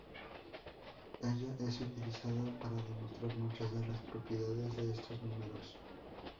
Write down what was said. Ella es utilizada para demostrar muchas de las propiedades de estos números.